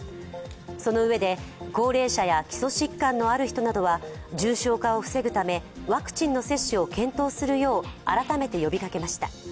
そのうえで、高齢者や基礎疾患のある人などは重症化を防ぐため、ワクチンの接種を検討するよう改めて呼びかけました。